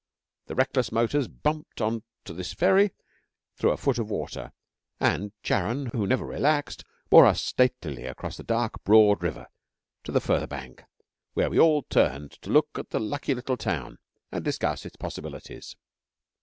The reckless motors bumped on to this ferry through a foot of water, and Charon, who never relaxed, bore us statelily across the dark, broad river to the further bank, where we all turned to look at the lucky little town, and discuss its possibilities.